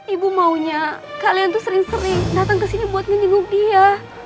ibu maunya kalian tuh sering sering datang kesini buat nginjung dia